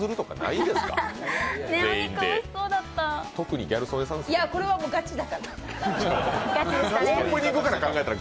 いや、これはガチだから。